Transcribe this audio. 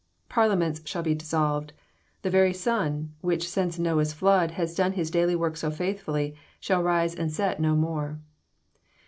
Parliaments shall be dissolved. The very sun, which since Noah's flood has done his daily work so faithfully, shall rise and set no more.